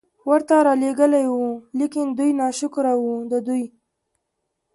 ورته را ليږلي وو، ليکن دوی ناشکره وو، د دوی